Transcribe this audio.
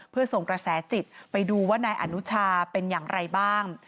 เพื่อส่งกระแสจิตไปดูว่านายอนุชาเป็นอย่างไรบ้าง